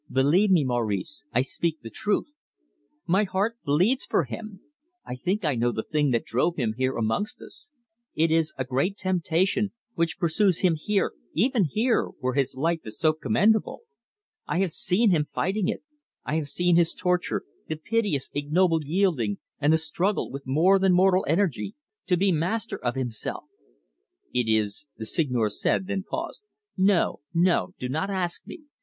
Believe me, Maurice, I speak the truth. My heart bleeds for him. I think I know the thing that drove him here amongst us. It is a great temptation, which pursues him here even here, where his life is so commendable. I have seen him fighting it. I have seen his torture, the piteous, ignoble yielding, and the struggle, with more than mortal energy, to be master of himself." "It is " the Seigneur said, then paused. "No, no; do not ask me.